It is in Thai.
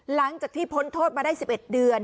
หลังจากที่พ้นโทษมาได้๑๑เดือน